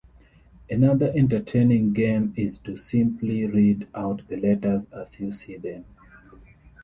Another entertaining game is to simply read out the letters as you see them.